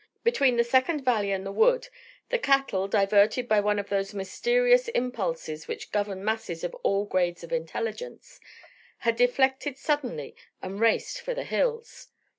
Between the second valley and the wood the cattle, diverted by one of those mysterious impulses which govern masses of all grades of intelligence, had deflected suddenly and raced for the hills.